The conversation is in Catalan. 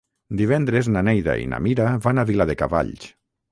Divendres na Neida i na Mira van a Viladecavalls.